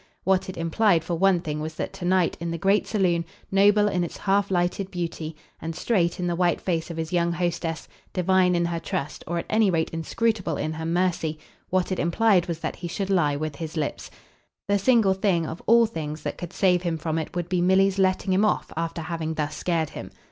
What it implied for one thing was that to night in the great saloon, noble in its half lighted beauty, and straight in the white face of his young hostess, divine in her trust, or at any rate inscrutable in her mercy what it implied was that he should lie with his lips. The single thing, of all things, that could save him from it would be Milly's letting him off after having thus scared him.